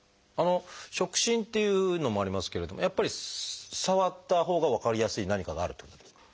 「触診」っていうのもありますけれどもやっぱり触ったほうが分かりやすい何かがあるってことですか？